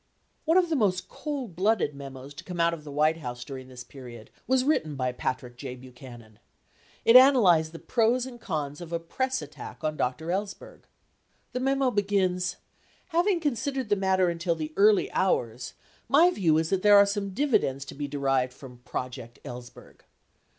One of the most cold blooded memos to come out of the White House during this period was written by Patrick J. Buchanan. It analyzed the pros and cons of a press attack on Dr. Ellsberg. The memo begins, "having considered the matter until the early hours, my view is that there are some dividends to be derived from "Project Ellsberg."